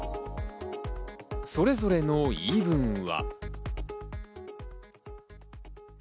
それぞれの言い分は。